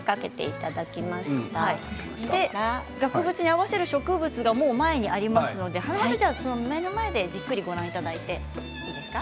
額縁に合わせる植物が前にありますので目の前でじっくりご覧ください。